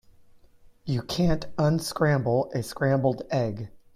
You can't unscramble a scrambled egg.